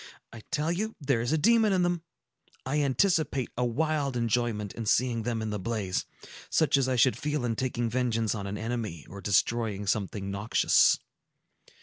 I tell you there is a demon in them! I anticipate a wild enjoyment in seeing them in the blaze; such as I should feel in taking vengeance on an enemy, or destroying something noxious."